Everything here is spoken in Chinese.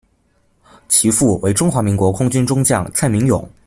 其父为中华民国空军中将蔡名永。